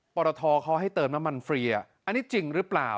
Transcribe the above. ปรทเขาให้เติมน้ำมันฟรีอันนี้จริงหรือเปล่า